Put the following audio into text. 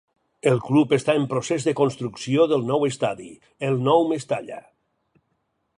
El club està en procés de construcció del nou estadi, el Nou Mestalla.